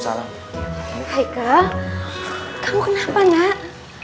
haikal kamu kenapa nak